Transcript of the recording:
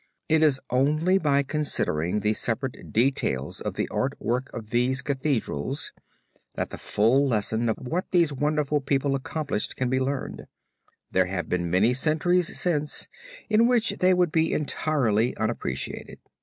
It is only by considering the separate details of the art work of these Cathedrals that the full lesson of what these wonderful people accomplished can be learned. There have been many centuries since, in which they would be entirely unappreciated.